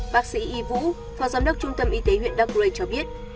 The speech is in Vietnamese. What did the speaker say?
bác sĩ y vũ phòng giám đốc trung tâm y tế huyện dark gray cho biết